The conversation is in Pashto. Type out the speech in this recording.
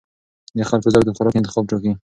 د خلکو ذوق د خوراک انتخاب ټاکي.